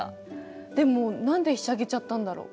でも何でひしゃげちゃったんだろう？